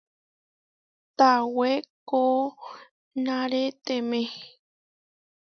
Tawé koʼnarétemé.